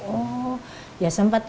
oh ya sempat